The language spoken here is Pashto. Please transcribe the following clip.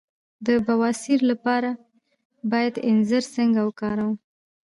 د بواسیر لپاره باید انځر څنګه وکاروم؟